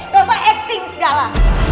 gak usah acting segala